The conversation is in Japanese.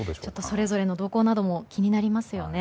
それぞれの動向なども気になりますよね。